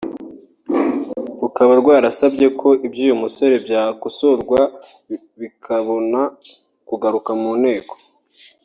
rukaba rwarasabye ko iby’uyu musoro byakosorwa bikabona kugarurwa mu nteko